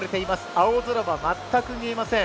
青空は全く見えません。